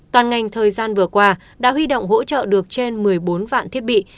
toàn ngành thời gian vừa qua đã huy động hỗ trợ được trên một mươi bốn vạn thiết bị